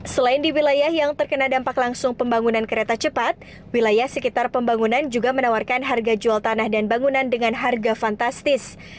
selain di wilayah yang terkena dampak langsung pembangunan kereta cepat wilayah sekitar pembangunan juga menawarkan harga jual tanah dan bangunan dengan harga fantastis